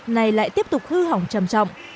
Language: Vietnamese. này lại tiếp tục hư hỏng trầm trọng